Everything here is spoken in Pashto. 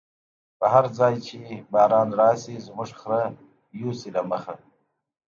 په هر ځای چی باران راشی، زمونږ خره یوسی له مخی